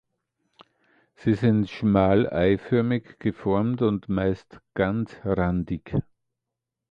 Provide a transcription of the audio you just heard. Sie sind schmal-eiförmig geformt und meist ganzrandig.